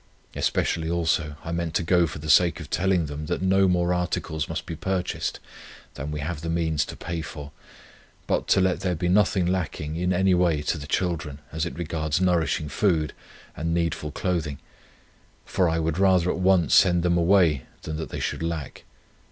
Especially, also, I meant to go for the sake of telling them that no more articles must be purchased than we have the means to pay for, but to let there be nothing lacking in any way to the children as it regards nourishing food and needful clothing; for I would rather at once send them away than that they should lack.